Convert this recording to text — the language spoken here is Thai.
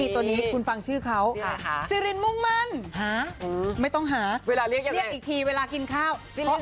ตัวนี้คุณฟังชื่อเขาซิรินมุ่งมั่นหาไม่ต้องหาเวลาเรียกอีกทีเวลากินข้าว